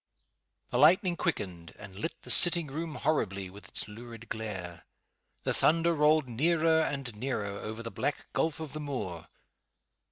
The lightning quickened, and lit the sitting room horribly with its lurid glare; the thunder rolled nearer and nearer over the black gulf of the moor.